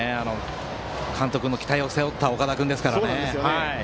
監督の期待を背負った岡田君ですからね。